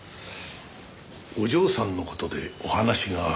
お嬢さんの事でお話が。